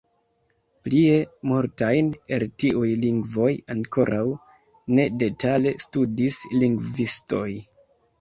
Plie, multajn el tiuj lingvoj ankoraŭ ne detale studis lingvistoj.